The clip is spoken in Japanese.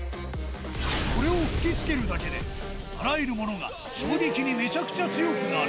これを吹き付けるだけで、あらゆるものが衝撃にめちゃくちゃ強くなる。